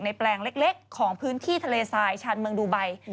แปลงเล็กของพื้นที่ทะเลทรายชานเมืองดูไบ